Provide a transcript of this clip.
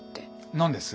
何です？